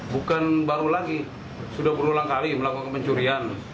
bukan baru lagi sudah berulang kali melakukan pencurian